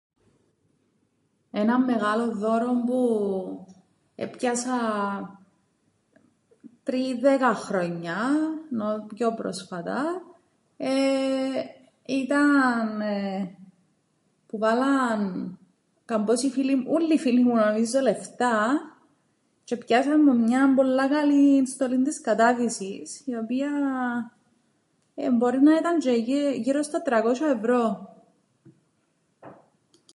Έναν μεγάλον δώρον που έπιασα πριν δέκα χρόνια πιο πρόσφατα εεε ήταν που 'βάλαν καμπόσοι φίλοι μου, ούλλοι οι φίλοι μου νομίζω λεφτά, τž' επιάσαν μου μιαν πολλά καλήν στολήν της κατάδυσης, η οποία μπορεί να ήταν τžαι γύρω στα τρακόσ̆ια ευρώ.